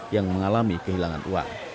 yang mengalami kehilangan uang